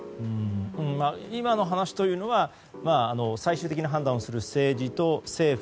今の話というのは最終的な判断をする政治と政府